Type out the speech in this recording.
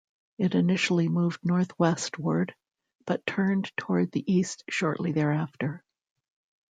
It initially moved northwestward, but turned toward the east shortly thereafter.